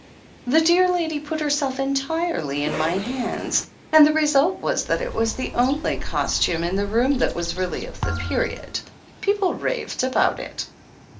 The dear lady put herself entirely in my hands, and the result was that it was the only costume in the room that was really of the period ... people raved about it."